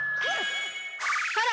ほら！